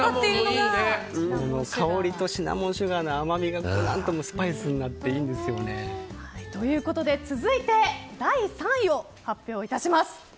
香りとシナモンシュガーの甘みが何ともスパイスになってということで、続いて第３位を発表致します。